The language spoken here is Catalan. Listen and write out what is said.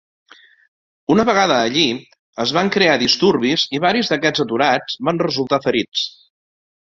Una vegada allí es van crear disturbis i varis d'aquests aturats van resultar ferits.